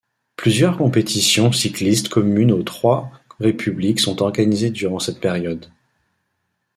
Plusieurs compétitions cyclistes communes aux trois républiques sont organisées durant cette période.